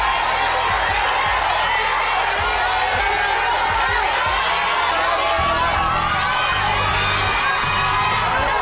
๓นาทีนะครับ